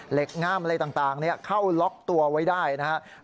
ง่ามอะไรต่างเข้าล็อกตัวไว้ได้นะครับ